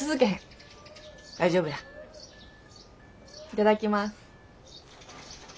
いただきます。